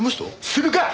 するか！